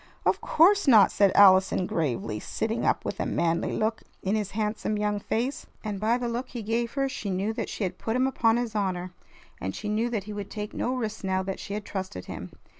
"Of course not!" said Allison gravely, sitting up with a manly look in his handsome young face. And by the look he gave her she knew that she had put him upon his honor, and she knew that he would take no risks now that she had trusted him.